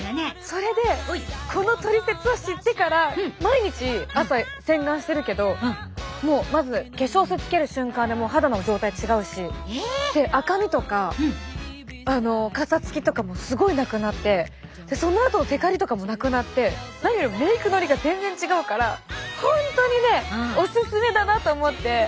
それでこのトリセツを知ってから毎日朝洗顔してるけどもうまず化粧水つける瞬間でもう肌の状態違うし赤みとかかさつきとかもすごいなくなってそのあとのてかりとかもなくなって何よりもメイクのりが全然違うから本当にねおすすめだなと思って。